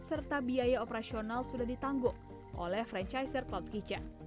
serta biaya operasional sudah ditangguh oleh franchiser cloud kitchen